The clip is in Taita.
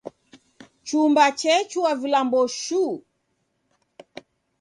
Chumba chechua vilambo shuu